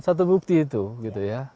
satu bukti itu gitu ya